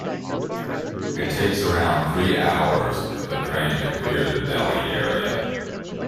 It takes around three hours for the train to clear the Delhi area.